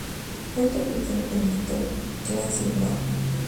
Fue interpretado por el actor Clancy Brown.